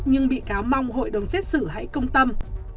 nhưng bị cáo mong hội đồng xét xử hãy công tâm